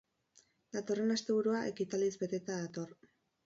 Datorren asteburua ekitaldiz beteta dator.